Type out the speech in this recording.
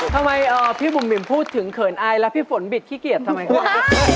ทำไมพี่บุ๋มหิมพูดถึงเขินอายแล้วพี่ฝนบิดขี้เกียจทำไมคะ